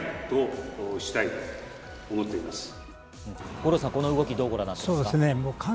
五郎さん、この動き、どうご覧になっていますか？